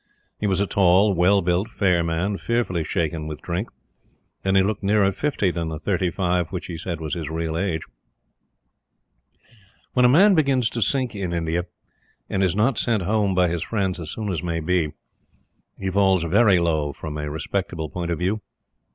He was a tall, well built, fair man fearfully shaken with drink, and he looked nearer fifty than the thirty five which, he said, was his real age. When a man begins to sink in India, and is not sent Home by his friends as soon as may be, he falls very low from a respectable point of view.